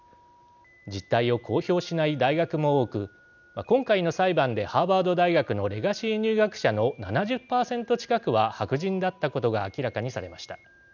実態を公表しない大学も多く今回の裁判でハーバード大学のレガシー入学者の７０％近くは白人だったことが明らかにされました。